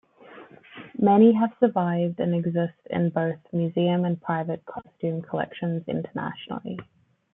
Many have survived and exist in both museum and private costume collections internationally.